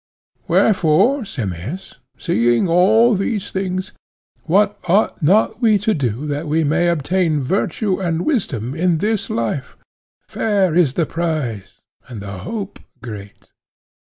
Wherefore, Simmias, seeing all these things, what ought not we to do that we may obtain virtue and wisdom in this life? Fair is the prize, and the hope great!